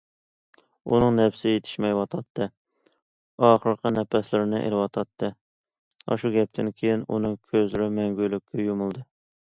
ئۇنىڭ نەپىسى يېتىشمەيۋاتاتتى، ئاخىرقى نەپەسلىرىنى ئېلىۋاتاتتى، ئاشۇ گەپتىن كېيىن ئۇنىڭ كۆزلىرى مەڭگۈلۈككە يۇمۇلدى.